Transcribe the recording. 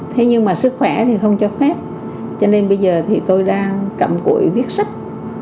thế nhưng mà sức khỏe thì không cho phép cho nên bây giờ thì tôi đang cặm cụi viết sách